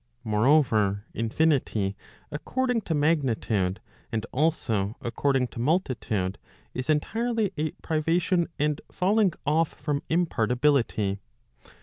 Moreover, infinity, according to magnitude, and also according to multitude, is entirely a privation and falling off from impartibility.